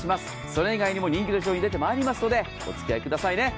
それ以外にも人気の商品出てきますので、おつきあいくださいね。